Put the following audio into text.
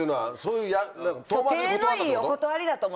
体のいいお断りだと。